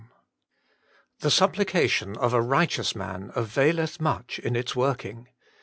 "The supplication of a righteous man availeth much in its working."